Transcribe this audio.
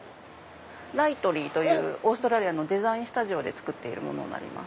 ライトリーというオーストラリアのデザインスタジオで作っているものになります。